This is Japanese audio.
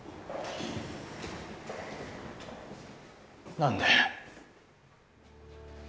何で？